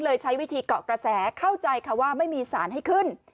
ใช้วิธีเกาะกระแสเข้าใจค่ะว่าไม่มีสารให้ขึ้น